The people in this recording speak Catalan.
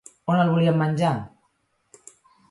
On el volien menjar?